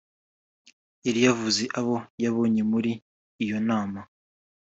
yari yavuze abo yabonye muri iyo nama